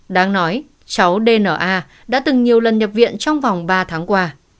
đáng nói cháu dna đã từng nhiều lần nhập viện trong vòng ba tháng qua